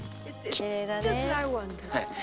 きれいだね。